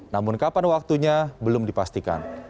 namun kapan waktunya belum dipastikan